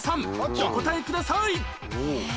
お答えくださいええ？